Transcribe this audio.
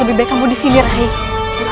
lebih baik kamu disini rahim